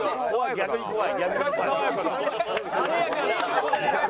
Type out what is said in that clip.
逆に怖い。